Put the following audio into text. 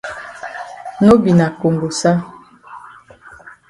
No be na kongosa.